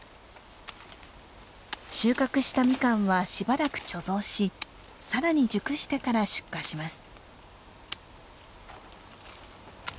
収穫したミカンはしばらく貯蔵しさらに熟してから出荷します。